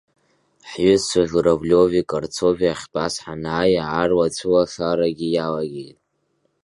Ҳҩызцәа Журавлиови Карцови ахьтәаз ҳанааи, аарла ацәылашарагьы иалагеит.